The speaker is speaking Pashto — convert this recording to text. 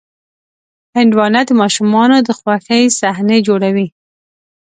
هندوانه د ماشومانو د خوښې صحنې جوړوي.